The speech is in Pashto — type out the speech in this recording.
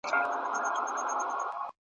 ټول وجود یې په لړزه وي او ویریږي ,